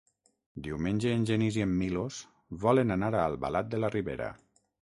Diumenge en Genís i en Milos volen anar a Albalat de la Ribera.